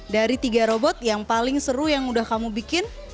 dari tiga robot yang paling seru yang udah kamu bikin